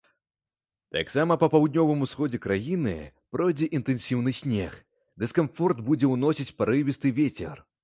Таксама па паўднёвым усходзе краіны пройдзе інтэнсіўны снег, дыскамфорт будзе ўносіць парывісты вецер.